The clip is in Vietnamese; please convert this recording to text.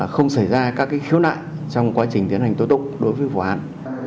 không xảy ra các khiếu nại trong quá trình tiến hành tố tụng đối với vụ án